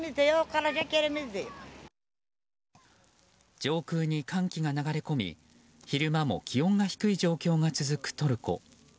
上空に寒気が流れ込み、昼間も気温が低い状態が続くトルコ。